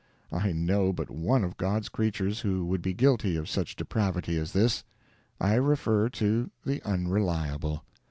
I know but one of God's creatures who would be guilty of such depravity as this: I refer to the Unreliable.